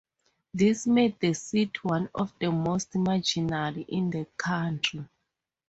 This made the seat one of the most marginal in the country.